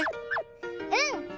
うん！